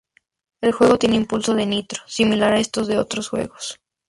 El juego tiene impulso de nitro, similar a eso de otros juegos de carreras.